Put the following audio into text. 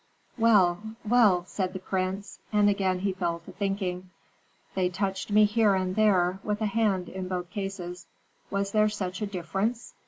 "Well well," said the prince, and again he fell to thinking: "They touched me here and there, with a hand in both cases. Was there such a difference?